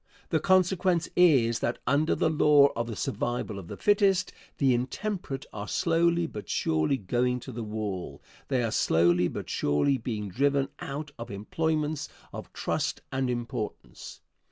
The consequence is that under the law of the survival of the fittest, the intemperate are slowly but surely going to the wall; they are slowly but surely being driven out of employments of trust and importance.